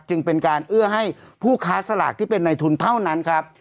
จึงเป็นการเอื้อให้ผู้ค้าสลากที่เป็นในทุนเท่านั้นครับ